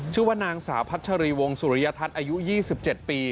ชื่อว่านางสาวพัชรีวงสุริยทัศน์อายุ๒๗ปี